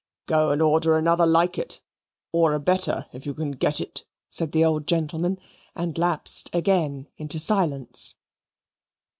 "Go and order another like it, or a better if you can get it," said the old gentleman and lapsed again into silence.